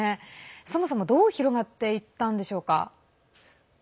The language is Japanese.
そもそもどう広がっていったんでしょうか。